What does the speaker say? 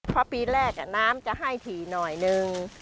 พอปีแรกน้ำจะให้ถี่หน่อยหนึ่ง